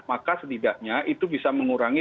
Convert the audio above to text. maka setidaknya itu bisa mengurangi